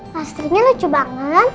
plasternya lucu banget